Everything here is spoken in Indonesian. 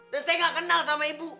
dan saya ga kenal sama ibu